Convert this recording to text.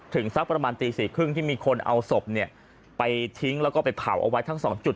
สักประมาณตี๔๓๐ที่มีคนเอาศพไปทิ้งแล้วก็ไปเผาเอาไว้ทั้ง๒จุด